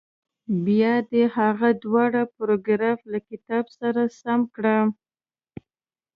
بیا دې هغه دواړه پاراګراف له کتاب سره سم کړي.